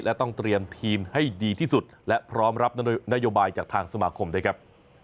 และต้องเตรียมทีมให้ดีที่สุดและพร้อมรับนโยบายจากทางสมาคมด้วยครับ